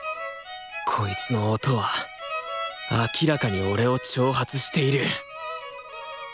こいつの音は明らかに俺を挑発している！